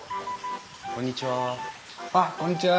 こんにちは。